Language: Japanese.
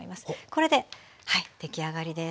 これではい出来上がりです。